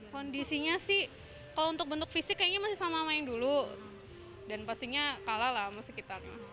kondisinya sih kalau untuk bentuk fisik kayaknya masih sama sama yang dulu dan pastinya kalah lah sama sekitar